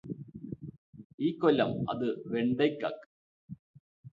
ഇക്കൊല്ലം അത് വെണ്ടയ്ക്കക്ക്